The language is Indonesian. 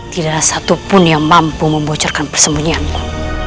tidak ada satupun yang mampu membocorkan persembunyianmu